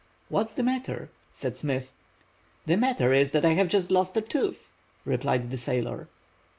"What's the matter?" said Smith. "The matter is that I have just lost a tooth!" replied the sailor.